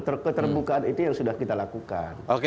keterbukaan itu yang sudah kita lakukan